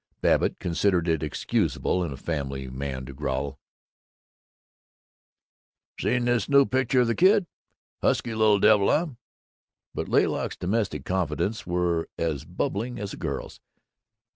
Babbitt considered it excusable in a family man to growl, "Seen this new picture of the kid husky little devil, eh?" but Laylock's domestic confidences were as bubbling as a girl's.